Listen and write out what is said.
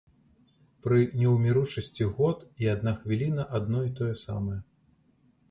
Пры неўміручасці год і адна хвіліна адно і тое самае.